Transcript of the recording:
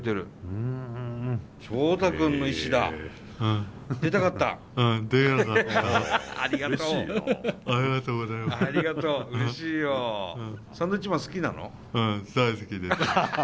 うん大好きです。